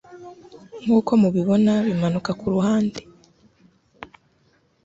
Nkuko mubibona bimanuka kuruhande